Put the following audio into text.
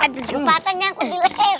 aduh kesempatan nyangkut di leher